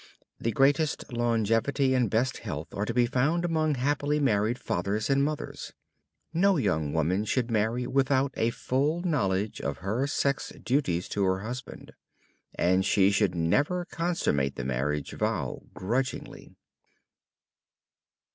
The greatest longevity and best health are to be found among happily married fathers and mothers. No young woman should marry without a full knowledge of her sex duties to her husband. And she should never consummate the marriage vow grudgingly.